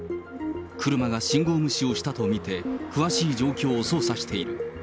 車が信号無視をしたと見て、詳しい状況を捜査している。